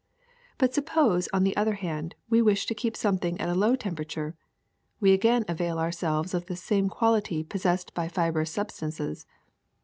^^But suppose, on the other hand, we wish to keep something at a low temperature ; we again avail our selves of this same quality possessed by fibrous sub stances.